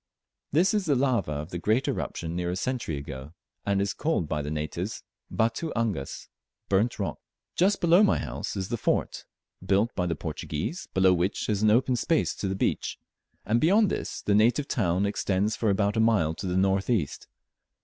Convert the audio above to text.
This is the lava of the great eruption near a century ago, and is called by the natives "batu angas"(burnt rock). Just below my house is the fort, built by the Portuguese, below which is an open space to the peach, and beyond this the native town extends for about a mile to the north east.